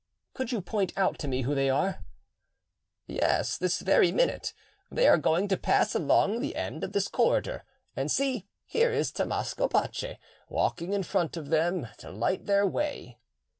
"Could you point out to me who they are?" "Yes, this very minute; they are going to pass along at the end of this corridor. And see, here is Tommaso Pace walking in front of them to light their way."